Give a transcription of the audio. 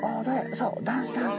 そうダンスダンス！